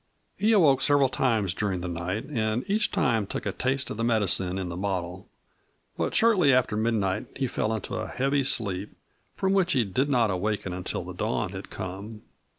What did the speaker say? He awoke several times during the night and each time took a taste of the medicine in the bottle. But shortly after midnight he fell into a heavy sleep, from which he did not awaken until the dawn had come.